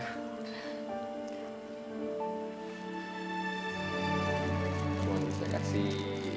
semoga kita kasih